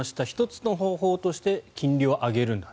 １つの方法として金利を上げるんだ。